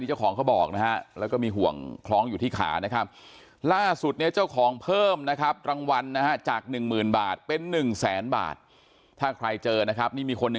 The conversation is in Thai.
ที่เจ้าของเขาบอกนะฮะและก็มีห่วงคล้อมอยู่ที่ขานะครับล่าสุดเนี่ยเจ้าของเพิ่มนะครับ